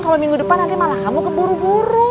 kalau minggu depan nanti malah kamu ke buru buru